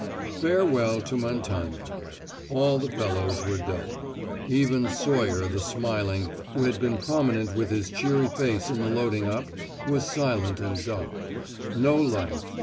Farewell to Montagne. All the fellows were dull. Even Sawyer the smiling, who had been prominent with his cheery face in the loading up, was silent and dull. No life.